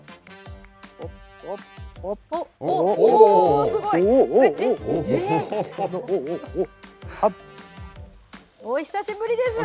おっ、おっ、すごい！お久しぶりです。